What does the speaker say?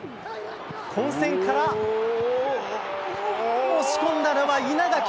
混戦から押し込んだのは稲垣。